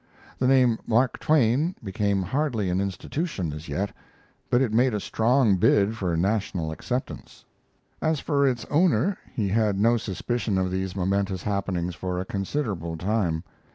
The name Mark Twain became hardly an institution, as yet, but it made a strong bid for national acceptance. As for its owner, he had no suspicion of these momentous happenings for a considerable time.